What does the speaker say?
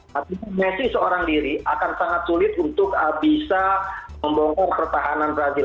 tapi messi seorang diri akan sangat sulit untuk bisa membongkar pertahanan brazil